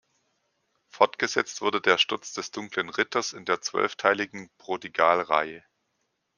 Fortgesetzt wurde "Der Sturz des Dunklen Ritters" in der zwölfteiligen "Prodigal"-Reihe.